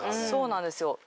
そうなんですよ